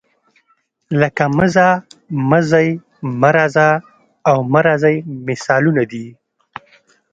لکه مه ځه، مه ځئ، مه راځه او مه راځئ مثالونه دي.